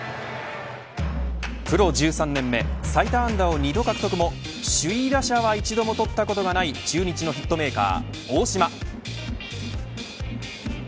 プロ１３年目最多安打を２度獲得も首位打者は一度も取ったことがない中日のヒットメーカー、大島。